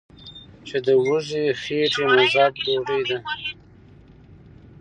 چې د وږې خېټې مذهب ډوډۍ ده ـ